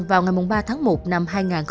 vào ngày ba tháng một năm hai nghìn hai mươi